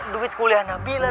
duit kuliah nabilah